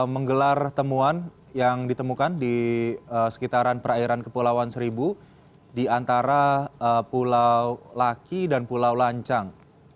menggelar temuan yang ditemukan di sekitaran perairan kepulauan seribu di antara pulau laki dan pulau lancang